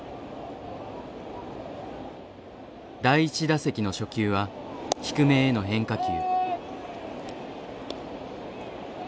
第１打席の初球は低めへの変化球。